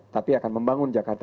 tapi akan membangun jakarta